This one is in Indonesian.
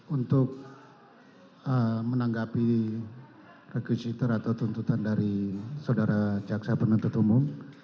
untuk menanggapi rekusiter atau tuntutan dari saudara jaksa penuntut umum